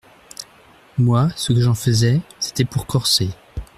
Moi, ce que j'en faisais, c'était pour corser.